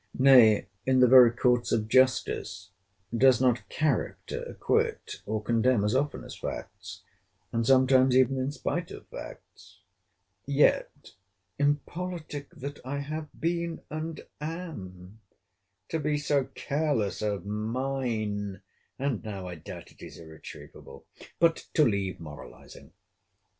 Nay, in the very courts of justice, does not character acquit or condemn as often as facts, and sometimes even in spite of facts?—Yet, [impolitic that I have been and am!] to be so careless of mine!—And now, I doubt, it is irretrievable.—But to leave moralizing.